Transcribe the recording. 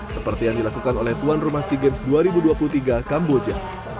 seperti yang dilakukan oleh tuan rumah sea games dua ribu dua puluh tiga kamboja